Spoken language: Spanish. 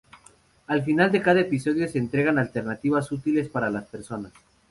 Al final de cada episodio se entregan alternativas útiles para las personas.